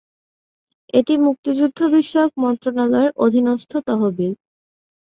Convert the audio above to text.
এটি মুক্তিযুদ্ধ বিষয়ক মন্ত্রণালয়ের অধীনস্থ তহবিল।